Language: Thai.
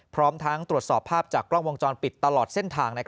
พร้อมทั้งตรวจสอบภาพจากกล้องวงจรปิดตลอดเส้นทาง